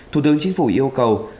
thủ tướng chính phủ yêu cầu